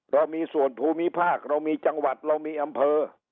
เรามีส่วนภูมิภาคเรามีจังหวัดเรามีอำเภอ